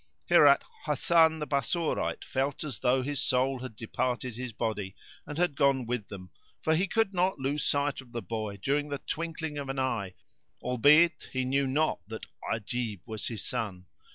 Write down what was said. Hereat Hasan the Bassorite felt as though his soul had departed his body and had gone with them; for he could not lose sight of the boy during the twinkling of an eye, albeit he knew not that Ajib was his son.